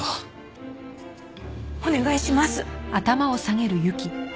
お願いします。